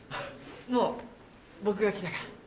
もう僕が来たから。